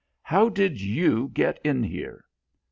"How did you get in here?"